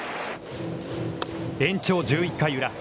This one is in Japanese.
延長１１回裏。